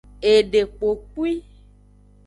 Edekpopwi.